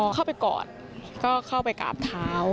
เข้าไปกอดก็เข้าไปกราบเท้า